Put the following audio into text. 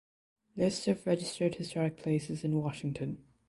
List of Registered Historic Places in Washington